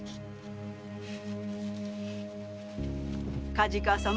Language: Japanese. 梶川様。